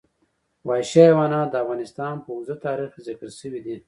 وحشي حیوانات د افغانستان په اوږده تاریخ کې ذکر شوی دی.